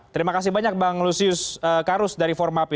terima kasih banyak bang lusius karus dari formapi